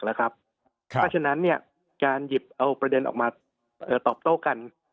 แล้วครับถ้าฉะนั้นเนี้ยการหยิบเอาประเด็นออกมาเอ่อตอบโต้กัน